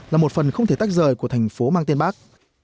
là một phần không thể tách rời của thành phố mang tên bác